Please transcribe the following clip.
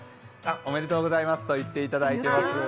おめでとうございますと言っていただいています。